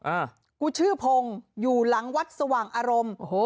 อ่ากูชื่อพงศ์อยู่หลังวัดสว่างอารมณ์โอ้โห